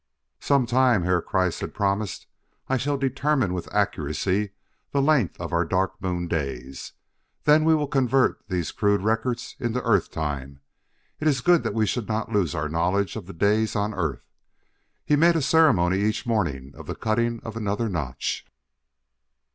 "Some time," Herr Kreiss had promised, "I shall determine with accuracy the length of our Dark Moon days; then we will convert these crude records into Earth time. It is good that we should not lose our knowledge of the days on Earth." He made a ceremony each morning of the cutting of another notch.